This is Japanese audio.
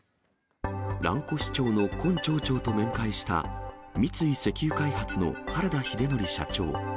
蘭越町の金町長と面会した、三井石油開発の原田英典社長。